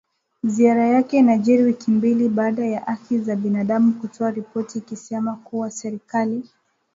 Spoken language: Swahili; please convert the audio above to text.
Ziara yake inajiri wiki mbili baada ya haki za binadamu kutoa ripoti ikisema kuwa serikali